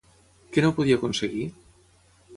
Què no podia aconseguir?